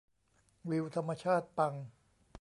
วิวธรรมชาติปัง